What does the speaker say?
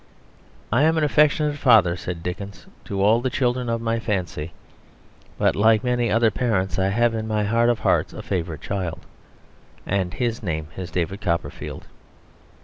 "I am an affectionate father," said Dickens, "to all the children of my fancy; but like many other parents I have in my heart of hearts a favourite child; and his name is David Copperfield."